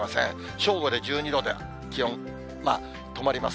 正午で１２度で、気温、止まります。